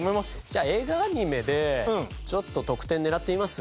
じゃあ映画・アニメでちょっと得点狙ってみます？